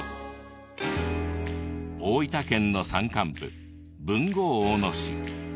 大分県の山間部豊後大野市。